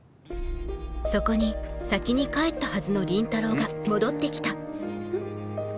そこに先に帰ったはずの倫太郎が戻って来たん？